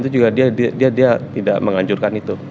dia juga tidak menghancurkan itu